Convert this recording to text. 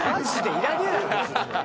いらねえだろ別に。